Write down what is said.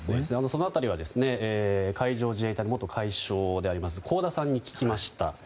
その辺りは海上自衛隊の元海将であります香田さんに聞きました。